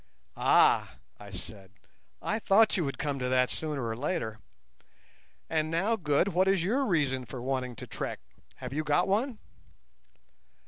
"Ah!" I said, "I thought you would come to that sooner or later. And now, Good, what is your reason for wanting to trek; have you got one?"